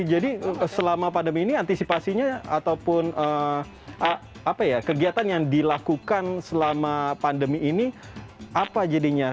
jadi selama pandemi ini antisipasinya ataupun kegiatan yang dilakukan selama pandemi ini apa jadinya